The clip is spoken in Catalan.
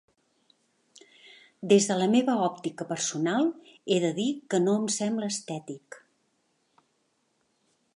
Des de la meva òptica personal, he de dir que no em sembla estètic.